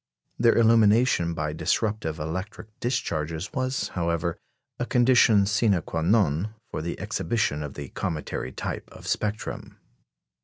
Their illumination by disruptive electric discharges was, however, a condition sine quâ non for the exhibition of the cometary type of spectrum.